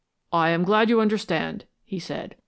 "I am glad you understand," he said.